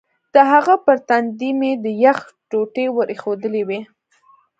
د هغه پر تندي مې د یخ ټوټې ور ایښودلې وې.